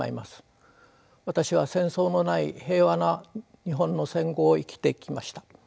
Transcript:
私は戦争のない平和な日本の戦後を生きてきました。